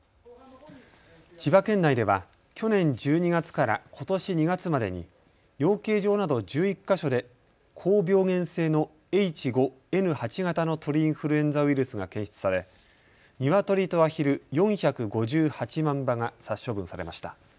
千葉県内では去年１２月からことし２月までに養鶏場など１１か所で高病原性のＨ５Ｎ８型の鳥インフルエンザウイルスが検出されニワトリとアヒル４５８万羽が殺処分されました。